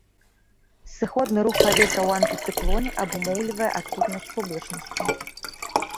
Сыходны рух паветра ў антыцыклоне абумоўлівае адсутнасць воблачнасці.